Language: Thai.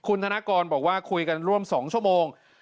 คุณธนกรบอกว่าคุยกันร่วม๒ชั่วโมง